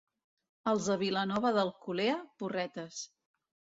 Els de Vilanova d'Alcolea, porretes.